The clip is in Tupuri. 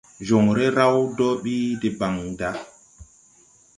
Joŋre raw dɔɔ bi debaŋ da.